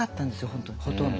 本当ほとんど。